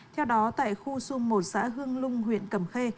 theo đó tại khu xung một xã hương lung huyện cầm khê